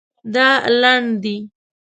دا لنډ دی